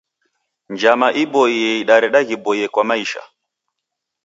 Njama iboie idareda ghiboie kwa maisha.